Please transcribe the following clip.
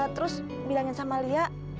terus bilangin sama lia